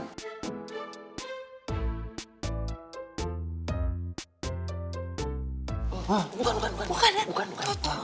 bukan bukan bukan